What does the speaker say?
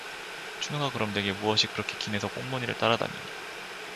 춘우가 그럼 네게 무엇이 그렇게 긴해서 꽁무니를 따라다니니.